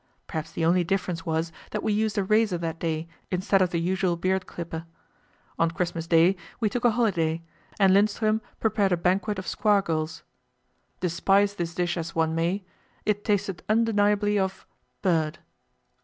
Perhaps the only difference was that we used a razor that day instead of the usual beard clipper. On Christmas Day we took a holiday, and Lindström prepared a banquet of skua gulls. Despise this dish as one may, it tasted undeniably of bird.